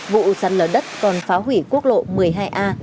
vụ sạt lở đất còn phá hủy quốc lộ một mươi hai a